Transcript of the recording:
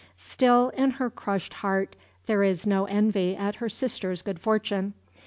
Still, in her crushed heart there is no envy at her sister's good fortune.